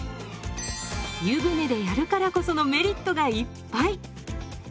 湯船でやるからこそのメリットがいっぱい！